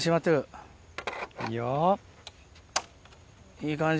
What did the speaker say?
いい感じ。